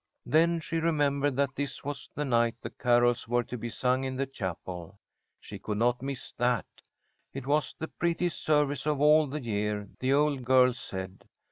Then she remembered that this was the night the carols were to be sung in the chapel. She could not miss that. It was the prettiest service of all the year, the old girls said.